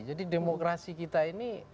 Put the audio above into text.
jadi demokrasi kita ini